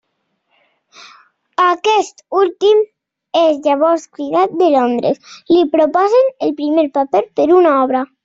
Aquest últim és llavors cridat de Londres: li proposen el primer paper per una obra.